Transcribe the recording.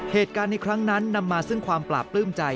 เหตุการณ์ในครั้งนั้นนำมาซึ่งความปราบปลื้มใจ